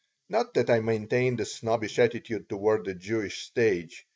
Not that I maintained a snobbish attitude toward the Jewish stage.